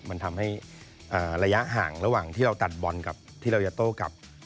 มันทำให้ระยะห่างระหว่างที่เราตัดบอลกับที่เราจะโต้กลับ